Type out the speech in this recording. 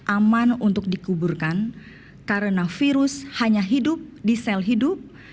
aman untuk dikuburkan karena virus hanya hidup di sel hidup